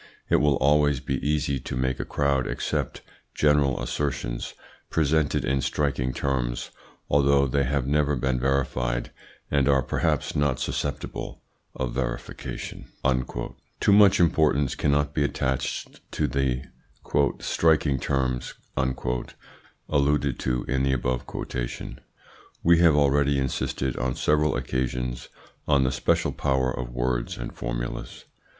It will always be easy to make a crowd accept general assertions, presented in striking terms, although they have never been verified, and are perhaps not susceptible of verification." Too much importance cannot be attached to the "striking terms" alluded to in the above quotation. We have already insisted, on several occasions, on the special power of words and formulas.